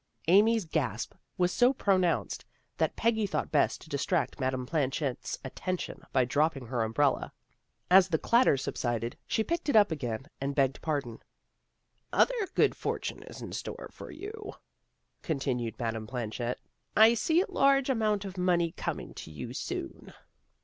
Amy's gasp was so pronounced that Peggy thought best to distract Madame Planchet's attention by dropping her umbrella. As the clatter subsided, she picked it up again and begged pardon. " Other good fortune is in store for you," continued Madame Planchet. "I see a large amount of money coming to you soon.